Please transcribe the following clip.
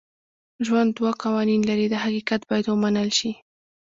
ژوند دوه قوانین لري دا حقیقت باید ومنل شي.